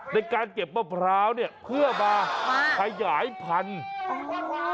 ไม่การเก็บมะพร้าวเพื่อมาขยายพันธุ์